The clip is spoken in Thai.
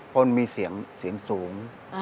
เพราะมีเสียงสูง